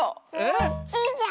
こっちじゃ。